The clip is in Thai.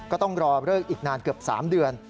ก็ต้องรอเลิกอีกนานเกือบ๓เดือน